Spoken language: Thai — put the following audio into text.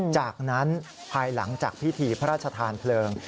จากนั้นภายหลังจากพิธีพระราชทานเพลิง